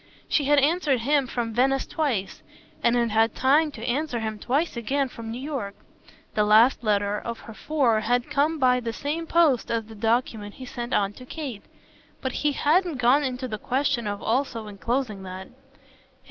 She had answered him from Venice twice, and had had time to answer him twice again from New York. The last letter of her four had come by the same post as the document he sent on to Kate, but he hadn't gone into the question of also enclosing that.